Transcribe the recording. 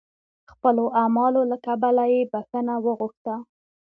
خپلو اعمالو له کبله یې بخښنه وغوښته.